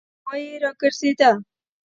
خوا یې راګرځېده.